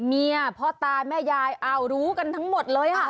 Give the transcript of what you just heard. เมียพ่อตาแม่ยายอ้าวรู้กันทั้งหมดเลยค่ะ